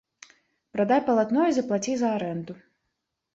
Прадай палатно і заплаці за арэнду.